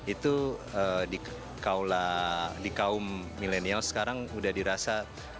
itu di kaum milenial sekarang udah dirasa